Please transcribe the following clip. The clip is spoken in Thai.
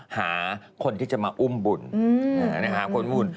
หาคนที่จะมาอุ้มบุญหาคนอุ้มบุญ